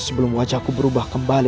sebelum wajahku berubah kembali